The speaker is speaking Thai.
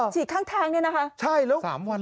ฉีดข้างทางเลยนะฮะ